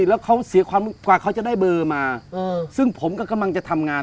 ใช่แล้วเขาเสียความว่าจะได้เบาะต่อมา